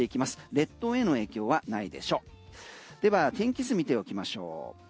列島への影響はないでしょうでは天気図見ておきましょう。